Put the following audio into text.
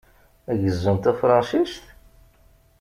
Gezzun tafṛensist?